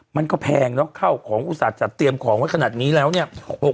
มันก็แพงเนอะเข้าของอุตส่าห์จัดเตรียมของไว้ขนาดนี้แล้วเนี่ย